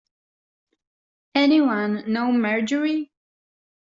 Anyone know Marjorie?